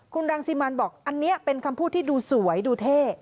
คุณรังสิมันบอกอันนี้เป็นคำพูดที่ดูสวยดูเท่